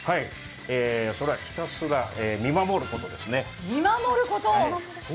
それはひたすら見守ることですね。